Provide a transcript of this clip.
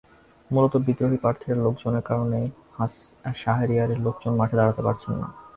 মূলত বিদ্রোহী প্রার্থীর লোকজনের কারণেই শাহরিয়ারের লোকজন মাঠে দাঁড়াতে পারছেন না।